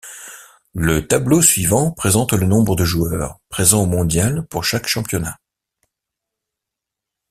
Le tableau suivant présente le nombre de joueurs présents au mondial pour chaque championnat.